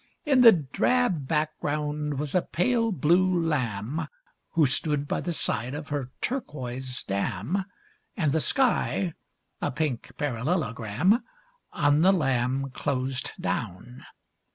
In the drab background was a pale blue lamb Who stood by the side of her turquoise dam, And the sky a pink parallelogram On the lamb closed down.